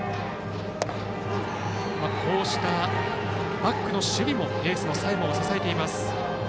こうしたバックの守備もエースの佐山を支えています。